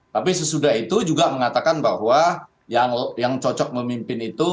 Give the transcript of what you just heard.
tapi sesudah itu juga mengatakan bahwa yang cocok memimpin itu